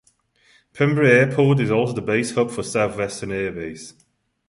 Pembrey Airport is also the base hub for South Western Airways.